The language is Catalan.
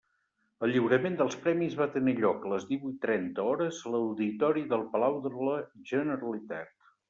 El lliurament dels premis va tenir lloc a les divuit trenta hores a l'auditori del Palau de la Generalitat.